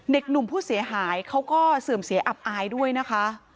เด็กหนุ่มผู้เสียหายเขาก็เสื่อมเสียอับอายด้วยนะคะ